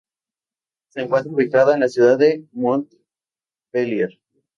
Se encuentra ubicada en la ciudad de Montpellier.